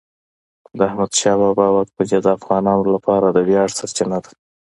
د احمدشاه بابا واکمني د افغانانو لپاره د ویاړ سرچینه ده.